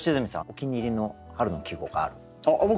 お気に入りの春の季語があるんですよね。